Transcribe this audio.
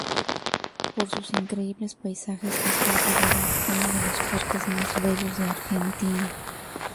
Por sus increíbles paisajes es considerado uno de los parques más bellos de Argentina.